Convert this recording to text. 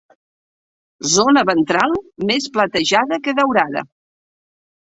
Zona ventral més platejada que daurada.